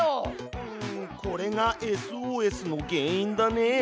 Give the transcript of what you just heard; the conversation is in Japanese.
うんこれがＳＯＳの原因だね。